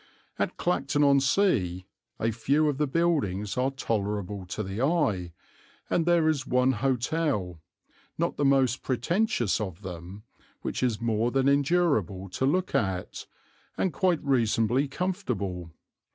At Clacton on Sea a few of the buildings are tolerable to the eye, and there is one hotel, not the most pretentious of them, which is more than endurable to look at, and quite reasonably comfortable.